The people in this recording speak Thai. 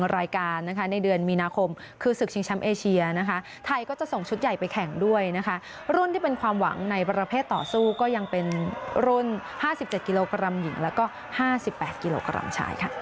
แล้วก็๕๘กิโลกรัมชายค่ะ